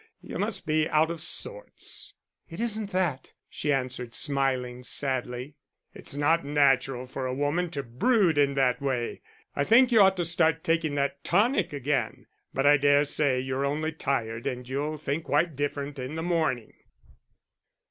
You must be out of sorts." "It isn't that," she answered, smiling sadly. "It's not natural for a woman to brood in that way. I think you ought to start taking that tonic again but I dare say you're only tired and you'll think quite different in the morning."